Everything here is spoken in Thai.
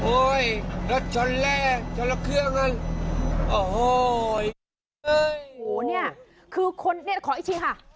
โอ้ยรถชนแรกชนละเครื่องอ่ะโอ้โหเนี่ยคือคนเนี่ยขอไอ้ชิงค่ะ